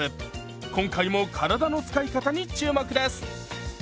今回も体の使い方に注目です！